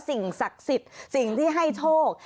สิ่งศักดิ์สิทธิ์สิ่งที่ให้โชค